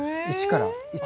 一から。